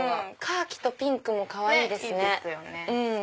カーキとピンクもかわいいですね。